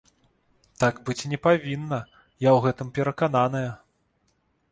Так быць не павінна, я ў гэтым перакананая.